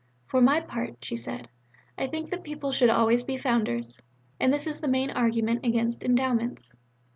"For my part," she said, "I think that people should always be Founders. And this is the main argument against Endowments.